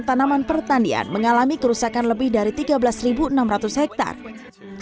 tanaman pertanian mengalami kerusakan lebih dari tiga belas enam ratus hektare